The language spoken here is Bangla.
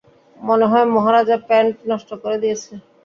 মনে হয় মহারাজা প্যান্ট নষ্ট করে দিয়েছে।